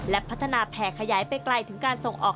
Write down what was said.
และพัฒนาแผ่ขยายไปไกลถึงการส่งออก